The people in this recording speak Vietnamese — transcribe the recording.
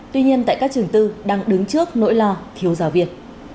tuy nhiên tại các trường tư đang đứng trước nỗi lo thiếu giáo viên